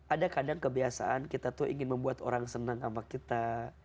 ada kadang kebiasaan kita tuh ingin membuat orang senang sama kita